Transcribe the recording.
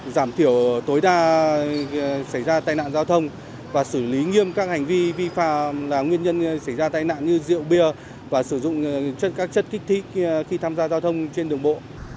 giảm thiểu tối đa xảy ra tai nạn giao thông và xử lý nghiêm các hành vi vi phạm là nguyên nhân xảy ra tai nạn như rượu bia và sử dụng các chất kích thích khi tham gia giao thông trên đường bộ